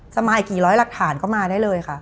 สมายกี่ร้อยหลักฐานก็มาได้เลยค่ะ